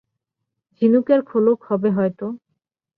ঝিনুকের খোলক হবে হয়তো?